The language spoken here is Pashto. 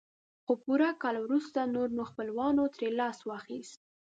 خو پوره کال وروسته نور نو خپل خپلوانو ترې لاس واخيست.